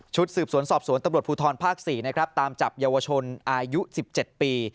ชุดสืบสวนสอบสวนตำรวจภูทรภาคสี่นะครับตามจับเยาวชนอายุสิบเจ็ดปี